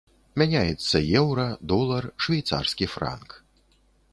Мяняецца еўра, долар, швейцарскі франк.